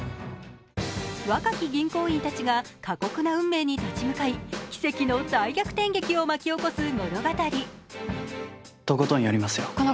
若き銀行員たちが、過酷な運命に立ち向かい奇跡の大逆転劇を巻き起こす物語。